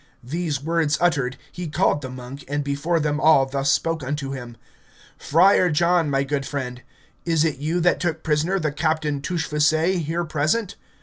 These words uttered, he called the monk, and before them all thus spoke unto him, Friar John, my good friend, it is you that took prisoner the Captain Touchfaucet here present?